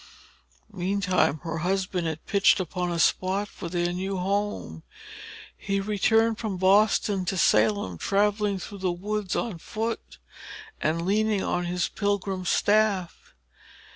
Meantime, her husband had pitched upon a spot for their new home. He returned from Boston to Salem, travelling through the woods on foot, and leaning on his pilgrim's staff.